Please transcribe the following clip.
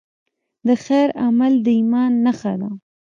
د خیر عمل د ایمان نښه ده.